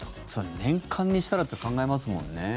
年間にしたらって考えますもんね。